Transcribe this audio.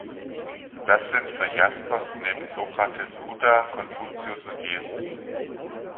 Das sind für Jaspers neben Sokrates Buddha, Konfuzius und Jesus.